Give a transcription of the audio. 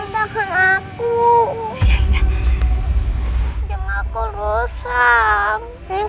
untuk memberikan kesaksian